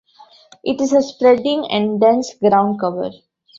It is a spreading and dense ground cover.